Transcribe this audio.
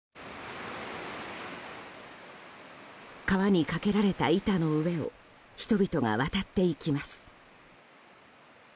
川に架けられた板の上を人々が渡っていきます。